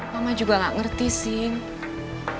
mama juga nggak ngerti sini